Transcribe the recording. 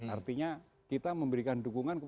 artinya kita memberikan dukungan